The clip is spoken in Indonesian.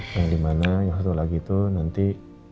yang dimana yang satu lagi itu nanti